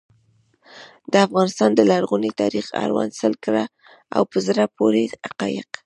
د افغانستان د لرغوني تاریخ اړوند سل کره او په زړه پوري حقایق.